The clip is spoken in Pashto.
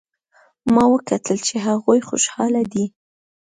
ما وکتل چې هغوی خوشحاله دي